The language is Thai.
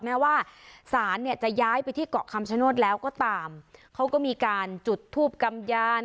แม้ว่าศาลเนี่ยจะย้ายไปที่เกาะคำชโนธแล้วก็ตามเขาก็มีการจุดทูปกำยาน